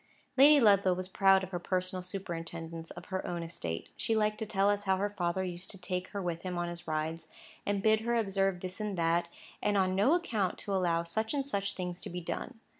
Lady Ludlow was proud of her personal superintendence of her own estate. She liked to tell us how her father used to take her with him in his rides, and bid her observe this and that, and on no account to allow such and such things to be done.